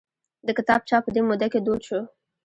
د کتاب چاپ په دې موده کې دود شو.